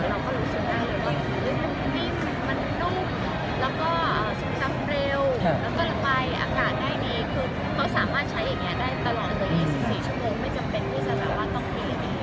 เราก็รู้สึกได้เลยว่าแฟทมันนุ่ม